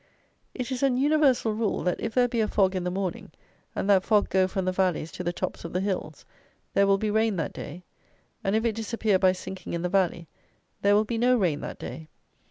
It is an universal rule, that if there be a fog in the morning, and that fog go from the valleys to the tops of the hills, there will be rain that day; and if it disappear by sinking in the valley, there will be no rain that day.